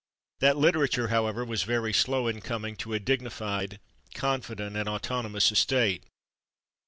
That literature, however, was very slow in coming to a dignified, confident and autonomous estate.